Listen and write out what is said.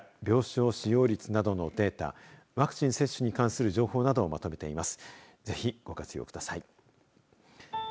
感染者数や病床使用率などのデータ、ワクチン接種に関する情報などをまとめています。